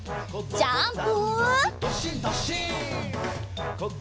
ジャンプ！